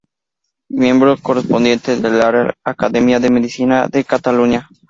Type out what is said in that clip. Miembro correspondiente de la Real Academia de Medicina de Cataluña.